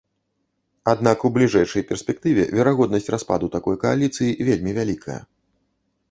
Аднак у бліжэйшай перспектыве верагоднасць распаду такой кааліцыі вельмі вялікая.